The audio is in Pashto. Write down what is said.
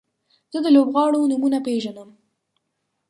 زه د لوبغاړو نومونه پیژنم.